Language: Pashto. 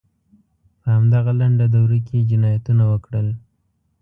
په همدغه لنډه دوره کې یې جنایتونه وکړل.